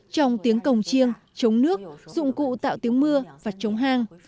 trong tiếng cồng chiêng chống nước dụng cụ tạo tiếng mưa và chống hang